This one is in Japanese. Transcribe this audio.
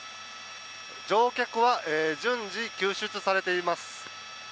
乗客は順次、救出されています。